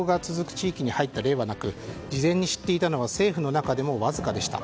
地域に入った例はなく事前に知っていたのは政府の中でもわずかでした。